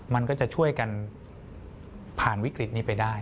มันก็จะช่วยกันผ่านวิกฤตนี้ไปได้